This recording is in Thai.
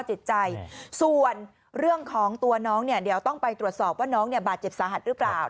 จิตใจส่วนเรื่องของตัวน้องเนี่ยเดี๋ยวต้องไปตรวจสอบว่าน้องเนี่ยบาดเจ็บสาหัสหรือเปล่า